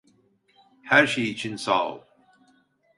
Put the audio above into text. Her şey için sağ ol.